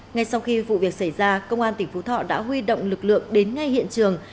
ngay sau khi vụ việc xảy ra công an tỉnh phú thọ đã huy động lực lượng đến ngay hiện trường